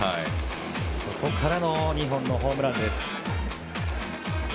そこからの２本のホームランです。